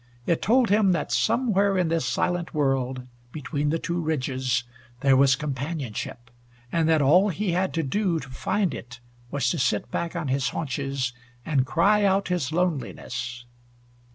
It told him that somewhere in this silent world between the two ridges there was companionship, and that all he had to do to find it was to sit back on his haunches, and cry out his loneliness.